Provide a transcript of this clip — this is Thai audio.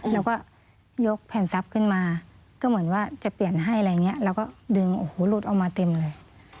แล้วก็ยกแผ่นทรัพย์ขึ้นมาก็เหมือนว่าจะเปลี่ยนให้อะไรอย่างนี้เราก็ดึงโอ้โหหลุดออกมาเต็มเลย